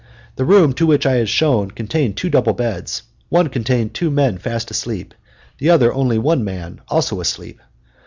The room to which I was shown contained two double beds; one contained two men fast asleep, and the other only one man, also asleep.